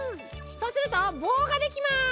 そうするとぼうができます。